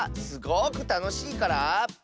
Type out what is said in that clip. すごくたのしいから。